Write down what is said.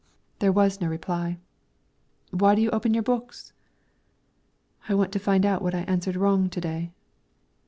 There was no reply. "Why do you open your books?" "I want to find out what I answered wrong to day."